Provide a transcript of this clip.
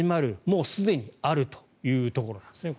もうすでにあるというところですね。